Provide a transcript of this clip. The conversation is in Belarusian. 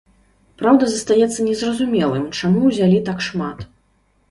Праўда, застаецца незразумелым, чаму ўзялі так шмат.